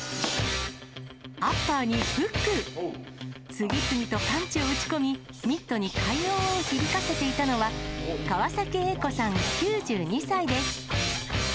アッパーにフック、次々とパンチを打ち込み、ミットに快音を響かせていたのは、川崎榮子さん９２歳です。